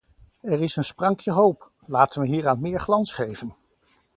Er is een sprankje hoop: laten we hieraan meer glans geven.